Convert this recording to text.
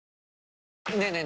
ねえねえ